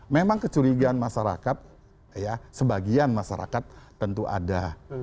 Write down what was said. memang kecurigaan masyarakat ya sebagian masyarakat tentu ada